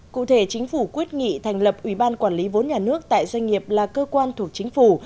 cụ thể chính phủ quyết nghị thành lập ủy ban quản lý vốn nhà nước tại doanh nghiệp là cơ quan thuộc chính phủ